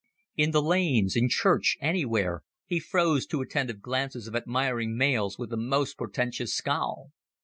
In the lanes, in church, anywhere, he froze too attentive glances of admiring males with a most portentous scowl.